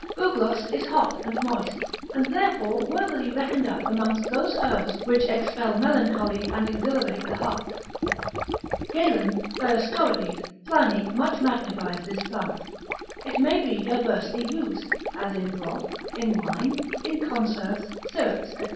Bugloss is hot and moist, and therefore worthily reckoned up amongst those herbs which expel melancholy, and exhilarate the heart, Galen, lib. 6. cap. 80. de simpl. med. Dioscorides, lib. 4. cap. 123. Pliny much magnifies this plant. It may be diversely used; as in broth, in wine, in conserves, syrups, &c.